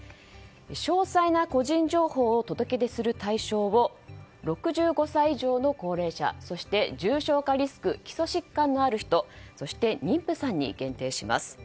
詳細な個人情報を届け出する対象を６５歳以上の高齢者そして重症化リスク、基礎疾患のある人そして妊婦さんに限定します。